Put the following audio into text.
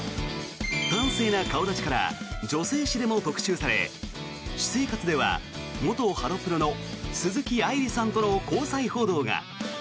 端正な顔立ちから女性誌でも特集され私生活では、元ハロプロの鈴木愛理さんとの交際報道が。